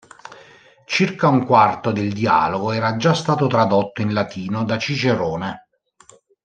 Circa un quarto del dialogo era già stato tradotto in latino da Cicerone.